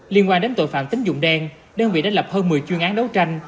liên quan đến tội phạm tính dụng đen đơn vị đã lập hơn một mươi chuyên án đấu tranh